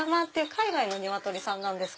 海外のニワトリさんなんです。